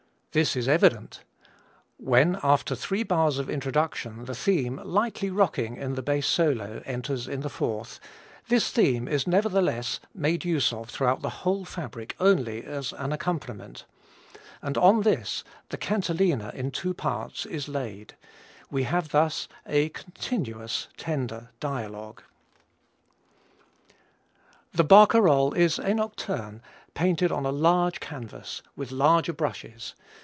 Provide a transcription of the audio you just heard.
This is evident! When, after three bars of introduction, the theme, 'lightly rocking in the bass solo,' enters in the fourth, this theme is nevertheless made use of throughout the whole fabric only as an accompaniment, and ON this the cantilena in two parts is laid; we have thus a continuous, tender dialogue." The Barcarolle is a nocturne painted on a large canvas, with larger brushes.